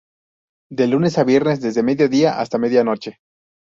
De lunes a viernes desde el mediodía hasta la medianoche.